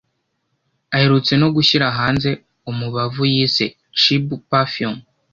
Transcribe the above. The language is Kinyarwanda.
aherutse no gushyira hanze umubavu yise ‘Chibu Perfume’